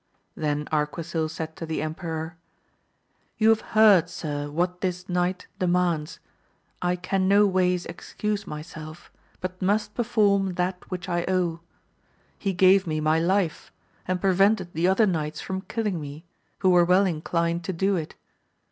Then Arquisil said to the empercr, You have heard, sir, what this knight de AMADtS OF GAUL 159 mands, I can no ways excuse myself, but must per form that which I owe ; he gave me my life, and prevented the other knights from killing me, who were well inclined to do it.